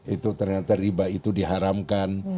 itu ternyata riba itu diharamkan